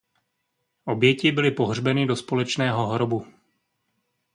Oběti byly pohřbeny do společného hrobu.